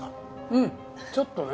うんちょっとね。